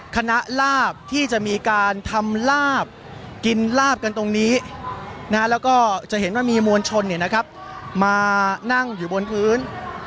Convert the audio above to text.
ลาบที่จะมีการทำลาบกินลาบกันตรงนี้แล้วก็จะเห็นว่ามีมวลชนมานั่งอยู่บนพื้น